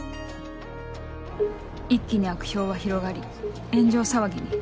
一気に悪評は広がり炎上騒ぎに。